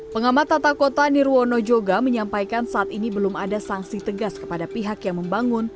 pengamat tata kota nirwono juga menyampaikan saat ini belum ada sanksi tegas kepada pihak yang membangun